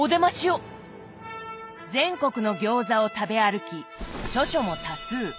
全国の餃子を食べ歩き著書も多数。